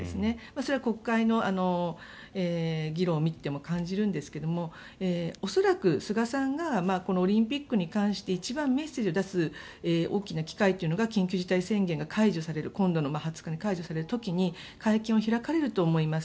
それは国会の議論を見ていても感じるんですけど恐らく、菅さんがこのオリンピックに関して一番メッセージを出す大きな機会というのが緊急事態宣言が解除される今度の２０日に解除される時に会見を開かれると思います。